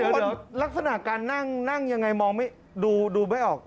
เดี๋ยวลักษณะการนั่งนั่งอย่างไรมองไม่ดูดูไม่ออก